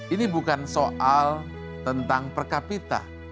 ini bukan soal tentang per kapita